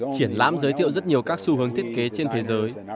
triển lãm giới thiệu rất nhiều các xu hướng thiết kế trên thế giới